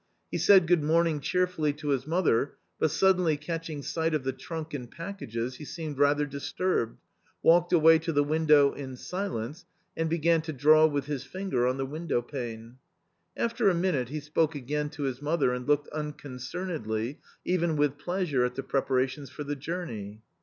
He said good morning cheerfully to his mother, but suddenly catching sight of the trunk and packages he seemed rather disturbed, walked away to the window in silence, and began to draw with his finger on the window pane. After a minute he spoke again to his mother and looked unconcernedly, even with pleasure, at the prepara tions for the journey.